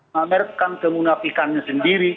memerikan kemunafikannya sendiri